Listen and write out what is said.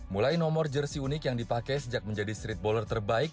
mulai nomor jersi unik yang dipakai sejak menjadi streetballer terbaik